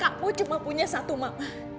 kamu cuma punya satu mak